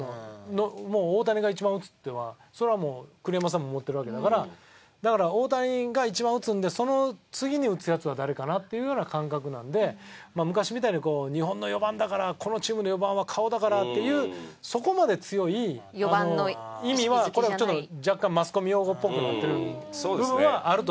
もう大谷が一番打つっていうのはそれはもう栗山さんも思ってるわけだからだから大谷が一番打つんでその次に打つヤツは誰かなっていうような感覚なんで昔みたいにこう日本の４番だからこのチームの４番は顔だからっていうそこまで強い意味はこれはちょっと若干マスコミ用語っぽくなってる部分はあると思います。